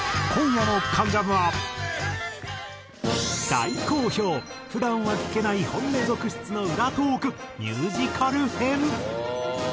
大好評普段は聞けない本音続出の裏トークミュージカル編。